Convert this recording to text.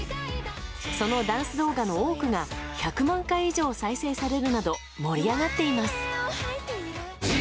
そのダンス動画の多くは１００万回以上再生されるなど盛り上がっています。